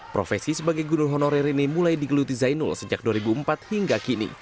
profesi sebagai guru honorer ini mulai digeluti zainul sejak dua ribu empat hingga kini